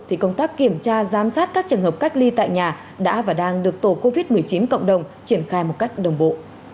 thì công tác kiểm tra giám sát các trường hợp cách ly tại nhà đã và đang được tổ covid một mươi chín cộng đồng triển khai một cách đồng bộ